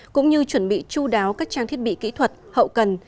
cũng như chuẩn bị chú đáo các trang thiết bị kỹ thuật hậu cần